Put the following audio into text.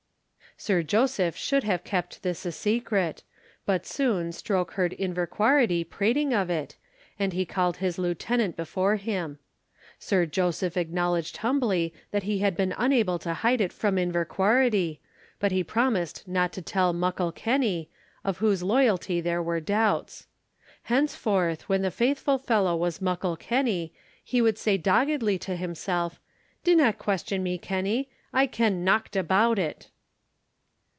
Sir Joseph should have kept this a secret, but soon Stroke heard Inverquharity prating of it, and he called his lieutenant before him. Sir Joseph acknowledged humbly that he had been unable to hide it from Inverquharity, but he promised not to tell Muckle Kenny, of whose loyalty there were doubts. Henceforth, when the faithful fellow was Muckle Kenny, he would say doggedly to himself, "Dinna question me, Kenny. I ken nocht about it."